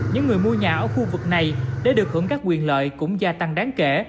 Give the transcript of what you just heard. những người mua nhà ở khu vực này để được hưởng các quyền lợi cũng gia tăng đáng kể